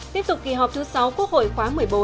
tiếp tục kỳ họp thứ sáu quốc hội khóa một mươi bốn